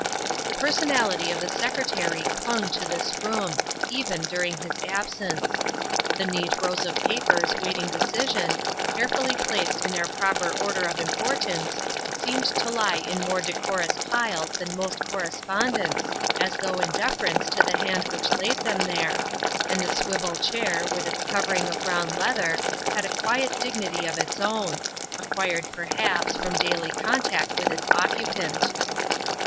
The personality of the Secretary clung to this room, even during his absence. The neat rows of papers wait ing decision, carefully placed in their proper order of importance, seemed to lie in more decorous piles than most correspondence, as though in deference to the hand which laid them there, and the swivel chair with its cov ering of brown leather had a quiet dignity of its own, acquired perhaps from daily contact with its occupant.